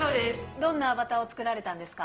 どんなアバターを作られたん